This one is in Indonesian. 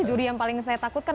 itu juri yang paling saya takutkan